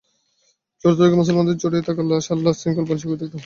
চতুর্দিকে মুসলমানদের ছড়িয়ে থাকা লাশ আর লাশ তিনি কল্পনার চোখে দেখতে থাকেন।